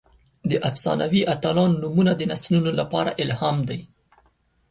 د افسانوي اتلانو نومونه د نسلونو لپاره الهام دي.